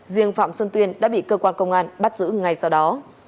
riêng phạm xuân tuyên đã bị cơ quan công an bắt giữ ngay sau đó